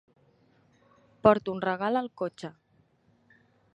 Porto un regal al cotxe.